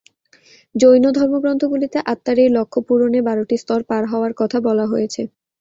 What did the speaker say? জৈন ধর্মগ্রন্থগুলিতে আত্মার এই লক্ষ্য পূরণে বারোটি স্তর পার হওয়ার কথা বলা হয়েছে।